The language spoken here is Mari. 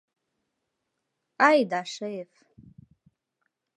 Ай да шеф!